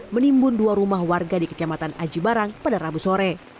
menimbun dua rumah warga di kecamatan aji barang pada rabu sore